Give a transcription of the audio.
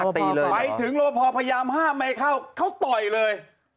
ไปถึงรบพอพยายามห้ามไม่เข้าเขาต่อยเลย